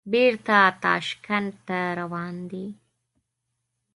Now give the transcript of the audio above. بېرته تاشکند ته روان دي.